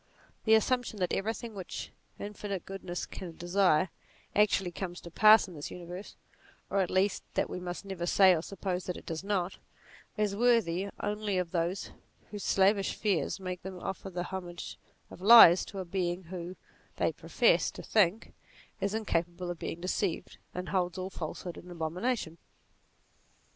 The assump tion that everything which infinite goodness can desire, actually comes to pass in this universe, or at least that we must never say or suppose that it does not, is worthy only of those whose slavish fears make them offer the homage of lies to a Being who, they profess to think, is incapable of being deceived and holds all falsehood in abomination.